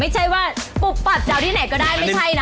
ไม่ใช่ว่าปลุกปัดจะเอาที่ไหนก็ได้ไม่ใช่นะ